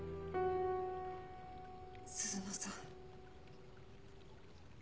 鈴乃さん。